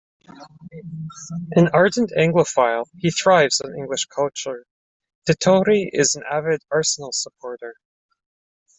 An ardent Anglophile, he thrives on English culture: Dettori is an avid Arsenal supporter.